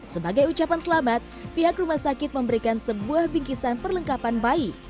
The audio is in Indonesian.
sebagai ucapan selamat pihak rumah sakit memberikan sebuah bingkisan perlengkapan bayi